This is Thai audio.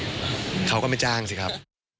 เขาก็ไม่จ้างสิครับ